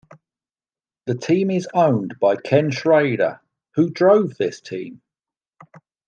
The team is owned by Ken Schrader, who drove this team.